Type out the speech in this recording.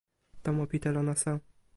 tomo pi telo nasa.